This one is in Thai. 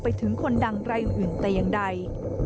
ไปถึงคนดังรายอื่นแต่อย่างใด